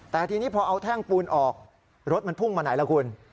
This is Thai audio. แต่ทีนี้พอเอาแท่งปูนออกรถมันพุ่งมาไหนล่ะคุณ